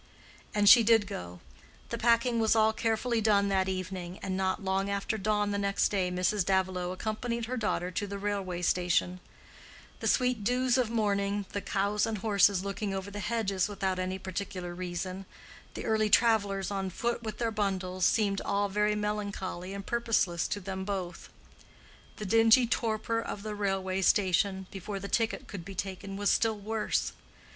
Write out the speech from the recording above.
And she did go. The packing was all carefully done that evening, and not long after dawn the next day Mrs. Davilow accompanied her daughter to the railway station. The sweet dews of morning, the cows and horses looking over the hedges without any particular reason, the early travelers on foot with their bundles, seemed all very melancholy and purposeless to them both. The dingy torpor of the railway station, before the ticket could be taken, was still worse.